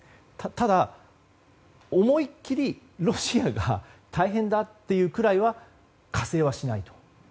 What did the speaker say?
ただ、思いっきりロシアが大変だというくらいは加勢はしないと。